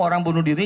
orang bunuh diri